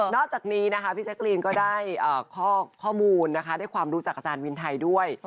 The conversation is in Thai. อกจากนี้นะคะพี่แจ๊กรีนก็ได้ข้อมูลนะคะได้ความรู้จากอาจารย์วินไทยด้วย